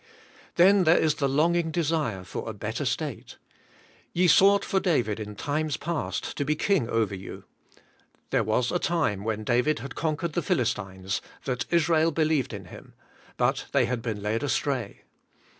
Then there is the longing desire for a better state : *Ye sought for David in times past to be king over you.' There was a time, when David had conquered the Philistines, that Israel believed in him; but they had been led astray.